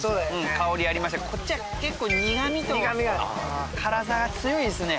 香りありましたこっちは結構苦みと苦みは辛さが強いですね